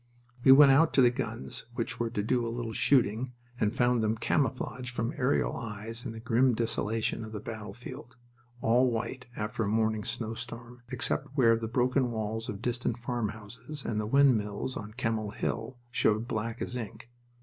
We went out to the guns which were to do a little shooting, and found them camouflaged from aerial eyes in the grim desolation of the battlefield, all white after a morning's snowstorm, except where the broken walls of distant farmhouses and the windmills on Kemmel Hill showed black as ink.